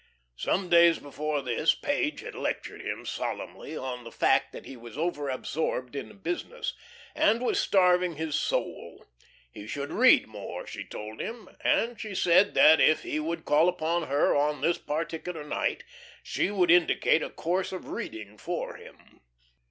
Some days before this Page had lectured him solemnly on the fact that he was over absorbed in business, and was starving his soul. He should read more, she told him, and she had said that if he would call upon her on this particular night, she would indicate a course of reading for him.